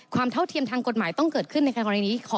ความเท่าเทียมทางกฎหมายต้องเกิดขึ้นในการรายงานนี้